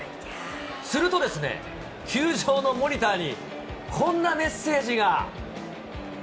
するとですね、球場のモニターにこんなメッセージが。